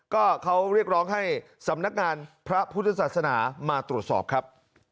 ก็เขาเรียกร้องให้สำนักงานพระพุทธศาสนามาตรวจสอบครับ